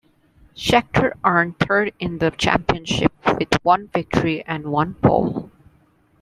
Scheckter earned third in the championship with one victory and one pole.